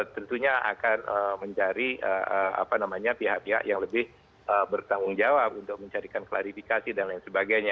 tentunya akan mencari pihak pihak yang lebih bertanggung jawab untuk mencarikan klarifikasi dan lain sebagainya